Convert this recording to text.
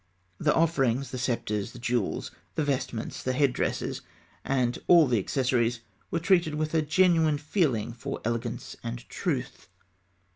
The offerings, the sceptres, the jewels, the vestments, the head dresses, and all the accessories were treated with a genuine feeling for elegance and truth.